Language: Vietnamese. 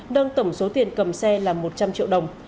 nâng tổng số tiền cầm xe là một trăm linh triệu đồng